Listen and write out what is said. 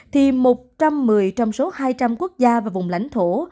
thì một trăm một mươi trong số hai trăm linh quốc gia và vùng lãnh thổ